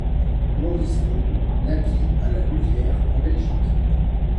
Maurice Baudoux naquit à La Louvière en Belgique.